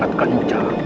akan kuper psychosis